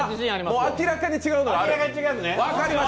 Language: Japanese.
明らかに違うんで。